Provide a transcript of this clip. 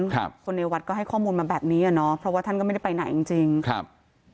ครับคนในวัดก็ให้ข้อมูลมาแบบนี้อ่ะเนอะเพราะว่าท่านก็ไม่ได้ไปไหนจริงจริงครับ